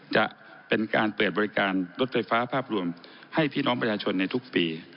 จะเป็นการเปิดบริการรถไฟฟ้าภาพรวมให้พี่น้องประชาชนในทุกปี